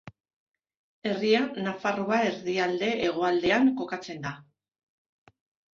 Herria Nafarroa erdialde-hegoaldean kokatzen da.